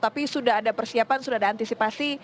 tapi sudah ada persiapan sudah ada antisipasi